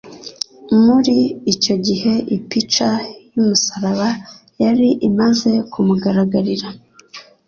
Muri icyo gihe ipica y'umusaraba yari imaze kumugaragarira;